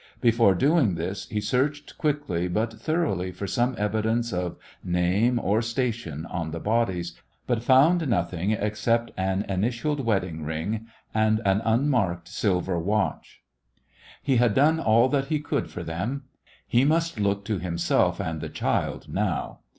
Before doing this he searched quickly but thor oughly for some evidence of name or station on the bodies, but f oimd noth ing except an initialed wedding ring and an unmarked silver watch. He had done all that he could for them. He must look to himself and the child now.